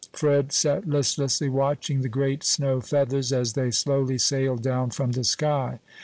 Fred sat listlessly watching the great snow feathers, as they slowly sailed down from the sky.